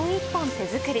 手作り。